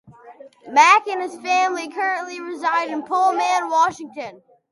Mack and his family currently reside in Pullman, Washington.